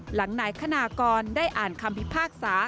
หลังนายคณากรได้อ่านคำพิพากษา